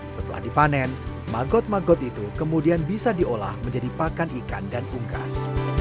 setelah dipanen magot magot itu kemudian bisa diolah menjadi pakan ikan dan ungkas